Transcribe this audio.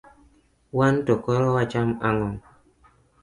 wanto koro wacham ang'o?